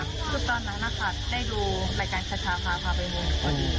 ก็ตอนนั้นน่ะค่ะได้ดูรายการสัญชาภาพาไปมุม